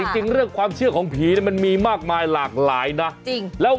จริงเรื่องความเชื่อของผีมันมีมากมายหลากหลายนะ